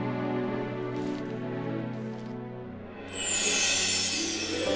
kenapa kau mukanya malah sedih